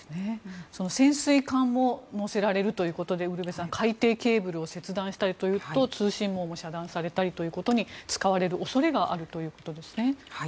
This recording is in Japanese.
潜水艦も載せられるということでウルヴェさん海底ケーブルを切断したりと通信網を遮断することに使われる恐れがあるということですね。